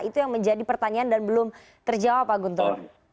itu yang menjadi pertanyaan dan belum terjawab pak guntur